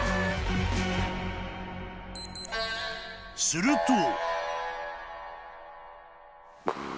［すると］